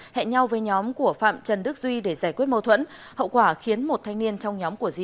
trong nhóm của di thiệt mạng